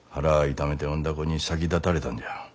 痛めて産んだ子に先立たれたんじゃ。